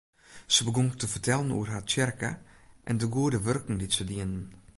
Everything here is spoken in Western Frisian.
Se begûn te fertellen oer har tsjerke en de goede wurken dy't se dienen.